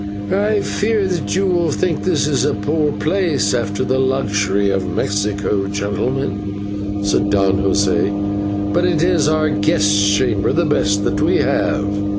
"I fear that you will think this a poor place, after the luxury of Mexico, gentlemen," said Don José, "but it is our guest chamber, the best that we have."